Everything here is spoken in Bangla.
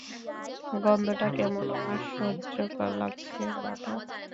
গন্ধটা কেমন অসহ্যকর লাগছে, বাবা!